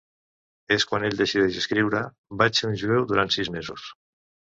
És quan ell decideix escriure: "Vaig ser jueu durant sis mesos".